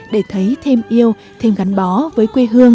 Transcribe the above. để thấy thêm yêu thêm gắn bó với quê hương